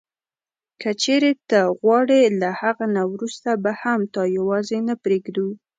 که چیري ته غواړې له هغه نه وروسته به هم تا یوازي نه پرېږدو.